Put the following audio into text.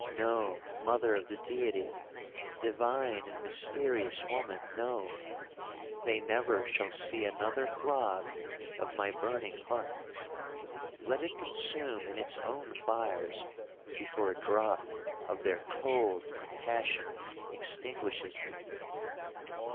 No, mother of the Deity! divine and mysterious woman, no!—they never shall see another throb of my burning heart. Let it consume in its own fires before a drop of their cold compassion extinguishes them!